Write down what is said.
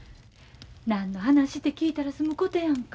何の話て聞いたら済むことやんか。